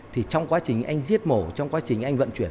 thì trong quá trình anh giết mổ trong quá trình anh vận chuyển